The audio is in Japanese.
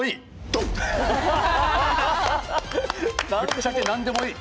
ぶっちゃけ「なんでもいい！」。